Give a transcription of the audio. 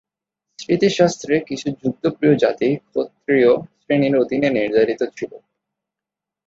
স্মৃতি শাস্ত্রে, কিছু যুদ্ধপ্রিয় জাতি ক্ষত্রিয় শ্রেণীর অধীনে নির্ধারিত ছিল।